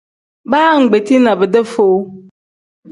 Baa ngbetii na bidee foo.